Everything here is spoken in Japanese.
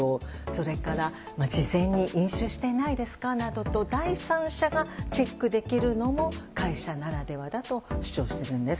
それから、事前に飲酒していないですかなどと第三者がチェックできるのも会社ならではだと主張しているんです。